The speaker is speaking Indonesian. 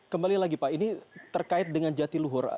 kembali lagi pak ini terkait dengan jatiluhur